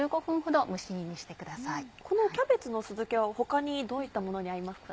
このキャベツの酢漬けは他にどういったものに合いますか？